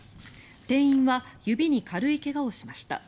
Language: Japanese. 店員は指に軽い怪我をしました。